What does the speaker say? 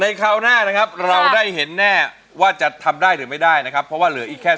คราวหน้านะครับเราได้เห็นแน่ว่าจะทำได้หรือไม่ได้นะครับเพราะว่าเหลืออีกแค่